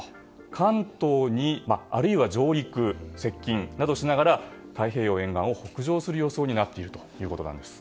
関東にあるいは上陸、接近などしながら太平洋沿岸を北上する予想になっているということです。